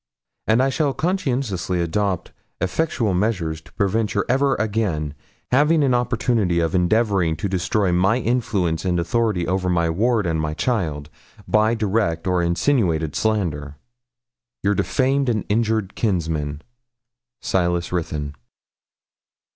And I shall conscientiously adopt effectual measures to prevent your ever again having an opportunity of endeavouring to destroy my influence and authority over my ward and my child, by direct or insinuated slander. 'Your defamed and injured kinsman, SILAS RUTHYN.'